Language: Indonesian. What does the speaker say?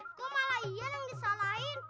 aku malah iya yang disalahin